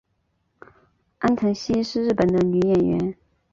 安藤希是日本的女演员。